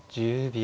１０秒。